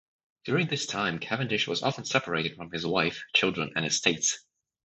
During this time Cavendish was often separated from his wife, children and estates.